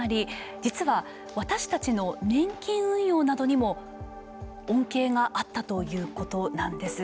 実は私たちの年金運用などにも恩恵があったということなんです。